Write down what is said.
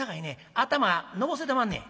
頭のぼせてまんねや。